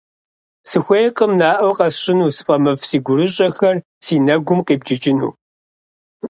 Сыхуейкъым наӀуэ къэсщӀыну сфӀэмыфӀ си гурыщӀэхэр си нэгум къибджыкӀыну.